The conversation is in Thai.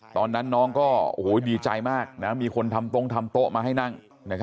ตอนนั้นน้องก็ดีใจมากมีคนทำตรงทำโต๊ะมาให้นั่ง